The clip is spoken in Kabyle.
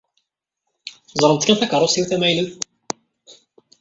Ẓṛemt kan takeṛṛust-iw tamaynut.